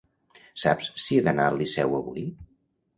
Saps si he d'anar al Liceu avui?